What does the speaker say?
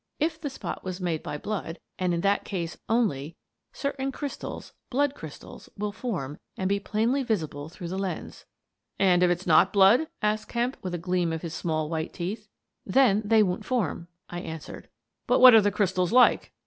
If the spot was made by blood — and in that case only — certain crystals, blood crystals, will form and be plainly visible through the lens." "And if ifs not blood?" asked Kemp, with a gleam of his small white teeth. " Then they won't form," I answered. " But what are the crystals like?